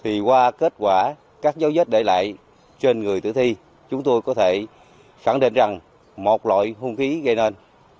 thì qua kết quả các dấu vết để lại trên người tử thi chúng tôi có thể khẳng định rằng một loại hung khí gây nên